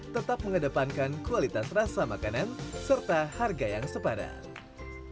tetap mengedepankan kualitas rasa makanan serta harga yang sepadan